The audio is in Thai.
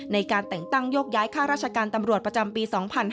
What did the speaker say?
ในการแต่งตั้งโยกย้ายค่าราชการตำรวจประจำปี๒๕๕๙